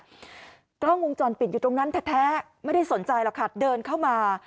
กล้องวงจรปิดอยู่ตรงนั้นแท้ไม่ได้สนใจหรอกค่ะเดินเข้ามา